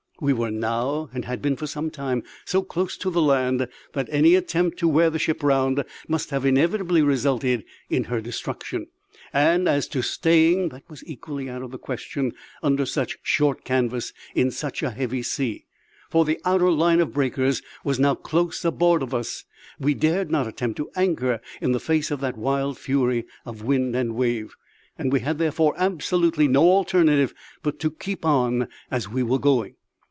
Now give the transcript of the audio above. We were now, and had been for some time, so close to the land that any attempt to wear the ship round must have inevitably resulted in her destruction; and, as to staying, that was equally out of the question under such short canvas in such a heavy sea for the outer line of breakers was now close aboard of us; we dared not attempt to anchor in the face of that wild fury of wind and wave; and we had therefore absolutely no alternative but to keep on as we were going.